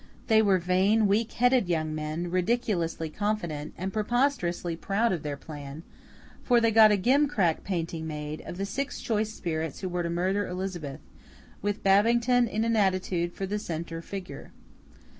They were vain, weak headed young men, ridiculously confident, and preposterously proud of their plan; for they got a gimcrack painting made, of the six choice spirits who were to murder Elizabeth, with Babington in an attitude for the centre figure.